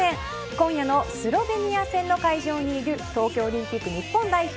今夜のスロベニア戦の会場にいる東京オリンピック日本代表